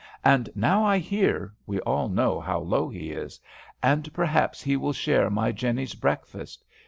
And now I hear, we all know how low he is, and perhaps he will share my Jennie's breakfast.